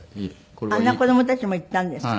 あんな子供たちも行ったんですか？